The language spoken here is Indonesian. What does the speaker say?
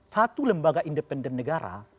satu lembaga independen negara